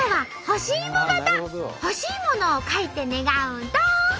「ほしいもの」を書いて願うんと！